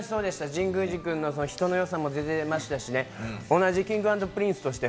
神宮寺さんの人のよさも出てましたし、同じＫｉｎｇ＆Ｐｒｉｎｃｅとして。